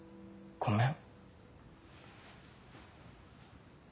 ごめん。